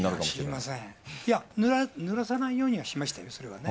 いや、ぬらさないようにはしましたよ、それはね。